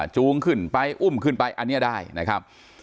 จูงขึ้นไปอุ้มขึ้นไปอันนี้ได้นะครับ